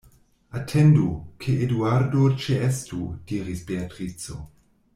Atendu, ke Eduardo ĉeestu, diris Beatrico.